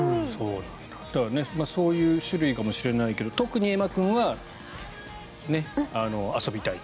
そういう種類かもしれないけど特にエマ君は遊びたい。